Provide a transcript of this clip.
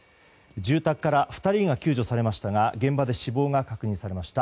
住宅から２人が救助されましたが現場で死亡が確認されました。